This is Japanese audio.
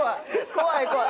怖い怖い！